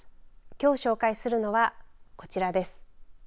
きょう紹介するのはこちらです。